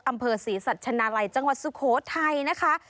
อำเภอศรีสัชนาลัยจังหวัดสุโขทัยนะคะ